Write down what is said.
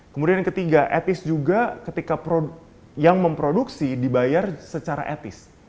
kemudian yang ketiga ethics juga ketika yang memproduksi dibayar secara ethics